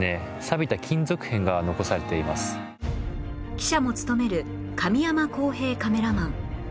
記者も務める神山晃平カメラマン